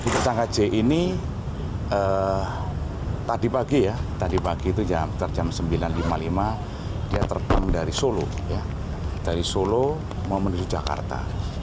tersangka j ini tadi pagi ya tadi pagi itu jam sembilan lima puluh lima dia terbang dari solo dari solo mau menuju jakarta